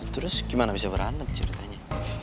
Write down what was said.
terus gimana bisa berantem ceritanya